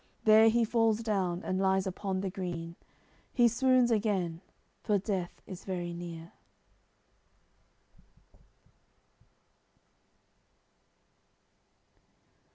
There he falls down, and lies upon the green; He swoons again, for death is very near.